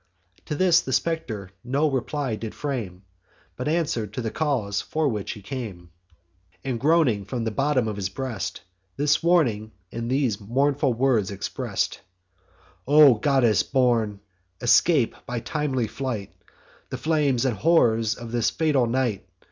"To this the spectre no reply did frame, But answer'd to the cause for which he came, And, groaning from the bottom of his breast, This warning in these mournful words express'd: 'O goddess born! escape, by timely flight, The flames and horrors of this fatal night.